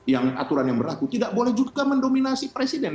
yang aturan yang berlaku tidak boleh juga mendominasi presiden